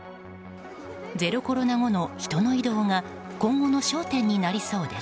ゼロコロナ後の人の移動が今後の焦点になりそうです。